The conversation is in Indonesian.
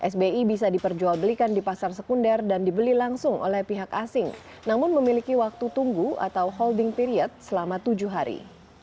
sbi bisa diperjualbelikan di pasar sekunder dan dibeli langsung oleh pihak asing namun memiliki waktu tunggu atau holding period selama tujuh hari